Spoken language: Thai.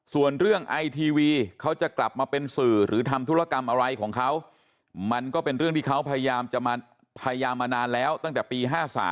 ส่วนเรื่องไอทีวีเขาจะกลับมาเป็นสื่อหรือทำธุรกรรมอะไรของเขามันก็เป็นเรื่องที่เขาพยายามจะมาพยายามมานานแล้วตั้งแต่ปี๕๓